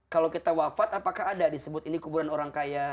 kalau kita wafat apakah ada disebut ini kuburan orang kaya